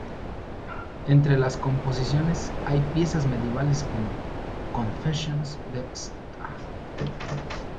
Entre las composiciones hay piezas medievales como “"Confessions de Sta.